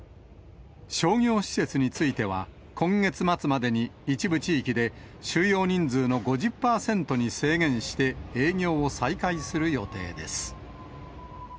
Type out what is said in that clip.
商業施設については、今月末までに一部地域で収容人数の５０％に制限して、営業を再開する予定です。